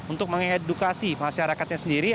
untuk mengedukasi masyarakatnya sendiri